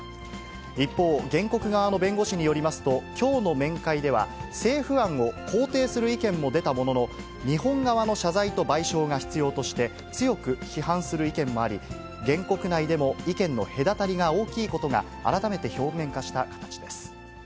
一方、原告側の弁護士によりますと、きょうの面会では、政府案を肯定する意見も出たものの、日本側の謝罪と賠償が必要と原告内でも意見の隔たりが大きいことが改めて表面化した形です。